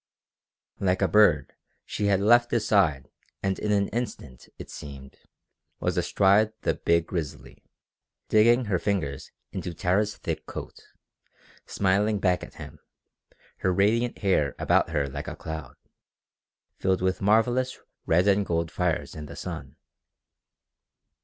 Like a bird she had left his side and in an instant, it seemed, was astride the big grizzly, digging her fingers into Tara's thick coat smiling back at him, her radiant hair about her like a cloud, filled with marvellous red and gold fires in the sun.